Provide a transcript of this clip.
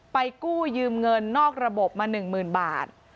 ไปกู้ยืมเงินนอกระบบมาหนึ่งหมื่นบาท